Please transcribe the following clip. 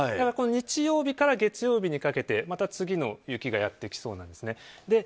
日曜日から月曜日にかけてまた次の雪がやってきそうなんですね。